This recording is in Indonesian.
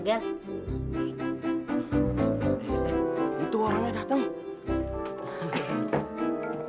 itu orangnya dateng